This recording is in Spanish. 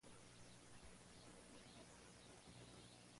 Información útil para el diseño de sondas.